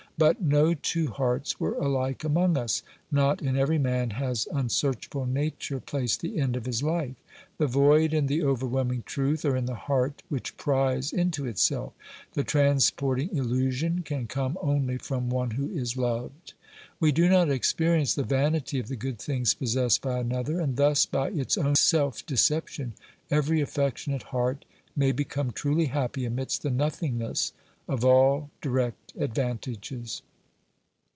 . But no two hearts were alike among us. Not in every man has un searchable Nature placed the end of his life ! The void and the overwhelming truth are in the heart which pries into itself; the transporting illusion can come only from one who is loved. We do not experience the vanity of the good things possessed by another, and thus by its own self deception every affectionate heart may be come truly happy amidst the nothingness of all direct advantages.